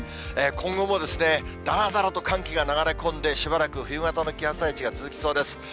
今後もだらだらと寒気が流れ込んで、しばらく冬型の気圧配置が続きそうです。